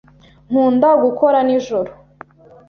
Nkunda gukora nijoro.